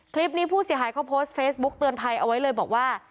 ผู้เสียหายเขาโพสต์เฟซบุ๊กเตือนภัยเอาไว้เลยบอกว่า